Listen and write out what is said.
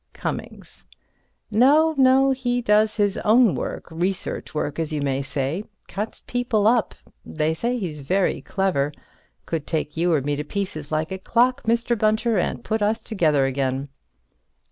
Cummings: No, no; he does his own work—research work, as you may say. Cuts people up. They say he's very clever. Could take you or me to pieces like a clock, Mr. Bunter, and put us together again.